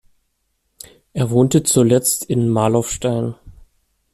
Er wohnte zuletzt in Marloffstein.